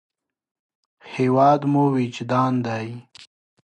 هېواد مو وجدان دی